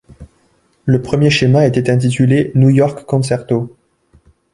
Le premier schéma était intitulé New York Concerto.